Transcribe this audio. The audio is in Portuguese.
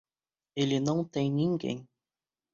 Ele não tem ninguém